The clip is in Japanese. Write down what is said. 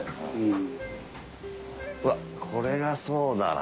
うわっこれがそうだな。